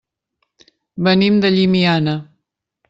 Venim de Llimiana.